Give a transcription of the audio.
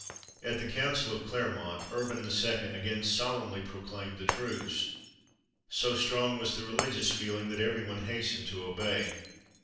At the Council of Clermont, Urban II. again solemnly proclaimed the truce. So strong was the religious feeling, that every one hastened to obey.